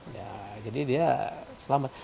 ya jadi dia selamat